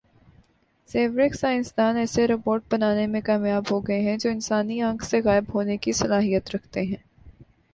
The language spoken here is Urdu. زیورخ سائنس دان ایسے روبوٹ بنانے میں کامیاب ہوگئے ہیں جو انسانی آنکھ سے غائب ہونے کی صلاحیت رکھتے ہیں